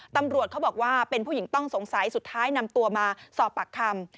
ตำรวจเขาบอกว่าเป็นผู้หญิงต้องสงสัยสุดท้ายนำตัวมาสอบปากคำ